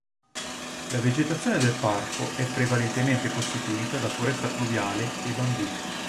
La vegetazione del parco è prevalentemente costituita da foresta pluviale e bambù.